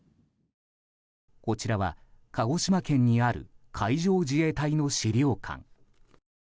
こちらは鹿児島県にある海上自衛隊の史料館。